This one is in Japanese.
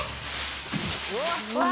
うわ！